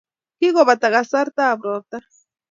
Kokopata kasartap ropta.